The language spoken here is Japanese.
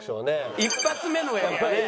一発目のがやっぱね。